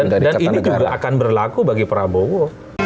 dan ini juga akan berlaku bagi prabowo